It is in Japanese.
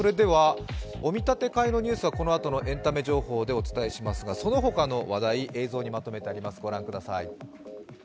「お見立て会」のニュースはこのあとのエンタメニュースでお伝えしますがその他の話題、映像にまとめてあります、御覧ください。